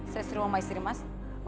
saya seru sama istri mas